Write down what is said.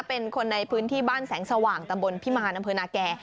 เป็นคนในพื้นที่บ้านแสงสว่างตำบลพิมารอำเภอนาแก่